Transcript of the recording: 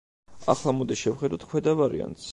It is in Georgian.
ახლა მოდი შევხედოთ ქვედა ვარიანტს.